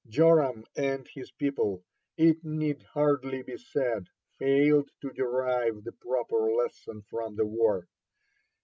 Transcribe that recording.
Joram and his people, it need hardly be said, failed to derive the proper lesson from the war.